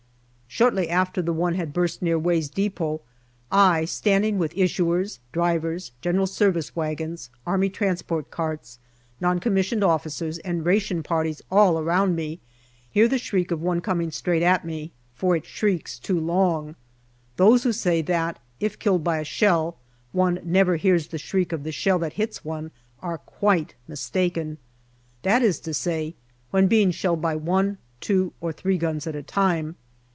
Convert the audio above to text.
Shortly after the one had burst near Way's depot, I, standing with issuers, drivers, G.S. wagons, A.T. carts, N.C.O.'s and ration parties all around me, hear the shriek of one coming straight at me, for it shrieks too long. Those who say that, if killed by a shell, one never hears the shriek of the shell that hits one, are quite mistaken that is to say, when being shelled by one, two, or three guns at a time.